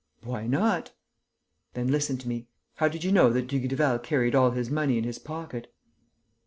"Why not?" "Then listen to me. How did you know that Dugrival carried all his money in his pocket?"